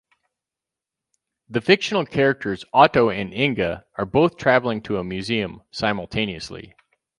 The fictional characters Otto and Inga are both travelling to a museum simultaneously.